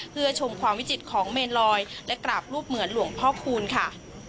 เพื่อชมความวิจิตของเมนลอยและกราบรูปเหมือนหลวงพ่อคูณค่ะ